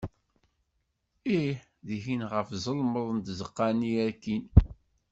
Ih! dihin ɣef ẓelmeḍ n tzeqqa-nni akkin.